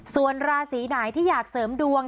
ส่วนราศีไหนที่อยากเสริมดวง